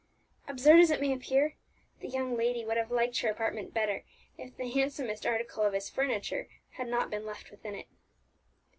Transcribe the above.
Absurd as it may appear, the young lady would have liked her apartment better if the handsomest article of its furniture had not been left within it.